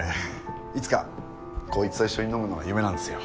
いつかコイツと一緒に飲むのが夢なんですよ。